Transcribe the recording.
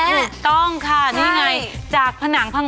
ถูกต้องค่ะนี่ไงจากผนังพังง